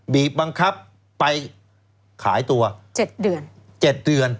บีบบงคับไปขายตัว๗เดือน